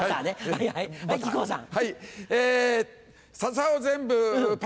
はい木久扇さん。